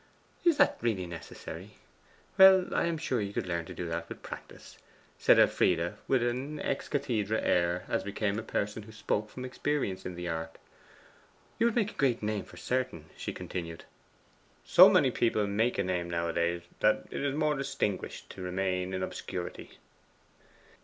'Is that really necessary? Well, I am sure you could learn to do that with practice,' said Elfride with an ex cathedra air, as became a person who spoke from experience in the art. 'You would make a great name for certain,' she continued. 'So many people make a name nowadays, that it is more distinguished to remain in obscurity.